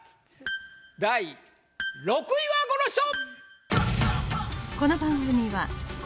第６位はこの人！